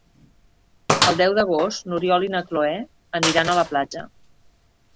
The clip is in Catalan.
El deu d'agost n'Oriol i na Cloè aniran a la platja.